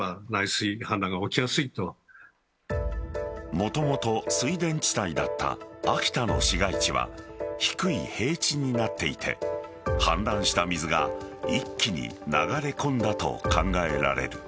もともと水田地帯だった秋田の市街地は低い平地になっていて氾濫した水が一気に流れ込んだと考えられる。